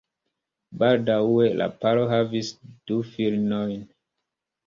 Baldaŭe la paro havis du filinojn.